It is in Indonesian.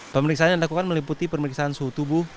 pemeriksaan yang dilakukan meliputi pemeriksaan suhu tubuh